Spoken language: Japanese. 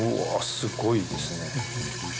すごいですね。